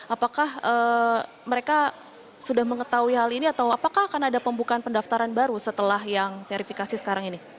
apakah mereka sudah mengetahui hal ini atau apakah akan ada pembukaan pendaftaran baru setelah yang verifikasi sekarang ini